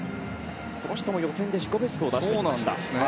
この人も予選で自己ベストを出していました。